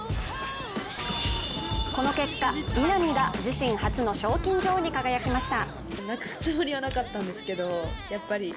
この結果、稲見が自身初の賞金女王に輝きました。